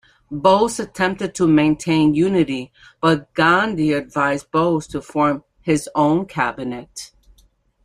Bose attempted to maintain unity, but Gandhi advised Bose to form his own cabinet.